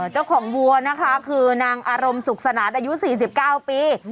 วัวนะคะคือนางอารมณ์สุขสนานอายุ๔๙ปี